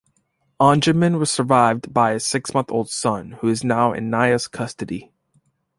Anjuman was survived by a six-month-old son, who is now in Neia's custody.